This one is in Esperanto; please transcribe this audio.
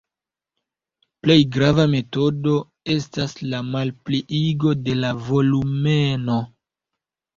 Plej grava metodo estas la malpliigo de la volumeno.